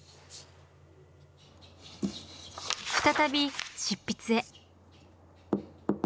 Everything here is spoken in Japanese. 再び執筆へ。